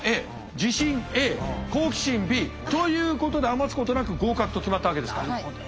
自信Ａ好奇心Ｂということで余すことなく合格と決まったわけですか。